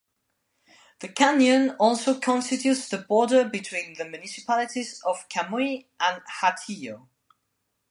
The canyon also constitutes the border between the municipalities of Camuy and Hatillo.